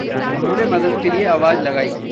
उन्होंने मदद के लिए आवाज़ लगाई।